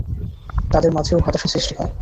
তাদের মাঝেও হতাশা সৃষ্টি হয়।